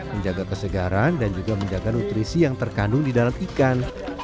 menjaga kesegaran dan juga menjaga nutrisi yang terkandung di dalam ikan